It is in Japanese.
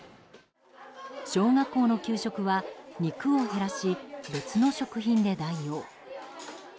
小学校の給食は肉を減らし、別の食品で代用。